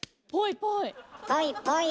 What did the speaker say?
ぽいぽい！